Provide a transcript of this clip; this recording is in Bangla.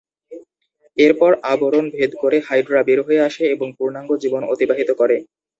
এরপর আবরণ ভেদ করে হাইড্রা বের হয়ে আসে এবং পূর্ণাঙ্গ জীবন অতিবাহিত করে।